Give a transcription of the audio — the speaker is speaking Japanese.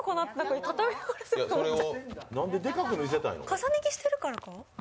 重ね着しているからか？